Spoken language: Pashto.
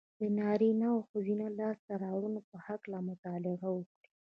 د نارينهوو او ښځو د لاسته راوړنو په هکله مطالعه وکړئ.